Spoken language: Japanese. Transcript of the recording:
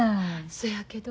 そやけど。